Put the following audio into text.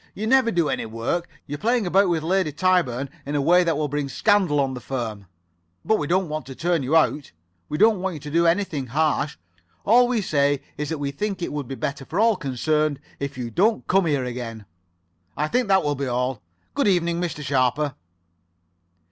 You never do any work. You're playing about with Lady Tyburn in a way that'll bring scandal on the firm. But we don't want to turn you out. We don't want to do anything harsh. All we say is that we think it would be better for all concerned if you don't come here again. I think that will be all. Good evening, Mr. Sharper."